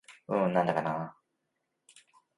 うーん、なんだかなぁ